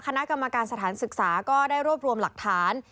คณะกรรมการสถานศึกษาก็ได้รวบรวมหลักฐาน